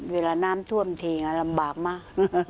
เวลาน้ำท่วมทีลำบากมาก